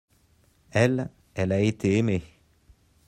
elle, elle a été aimée.